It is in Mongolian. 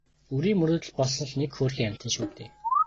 Үрийн мөрөөдөл болсон л нэг хөөрхий амьтан шүү дээ.